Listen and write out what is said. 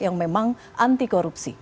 yang memang anti korupsi